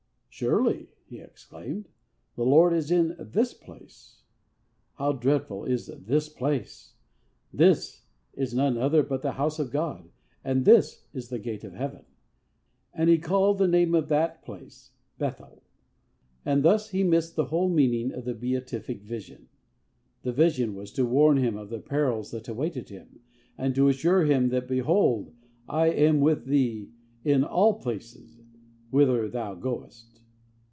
'Surely,' he exclaimed, 'the Lord is in this place! How dreadful is this place! This is none other but the house of God, and this is the gate of heaven! And he called the name of that place Bethel!' And thus he missed the whole meaning of the beatific vision. The vision was to warn him of the perils that awaited him, and to assure him that 'behold, I am with thee in all places whither thou goest.'